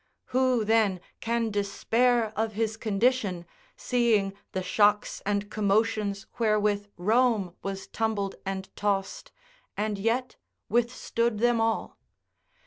Who, then, can despair of his condition, seeing the shocks and commotions wherewith Rome was tumbled and tossed, and yet withstood them all?